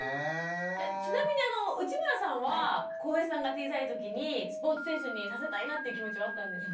ちなみに内村さんは航平さんが小さい時にスポーツ選手にさせたいなっていう気持ちはあったんですか？